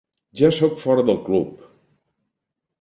Ja soc fora del club.